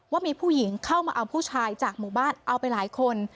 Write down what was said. ว่ามีผู้หญิงเข้ามาเอาผู้ชายจากหมู่บ้านเอาไปหลายคน